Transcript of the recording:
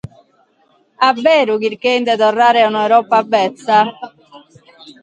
A beru chircheint de torrare a un’Europa betza?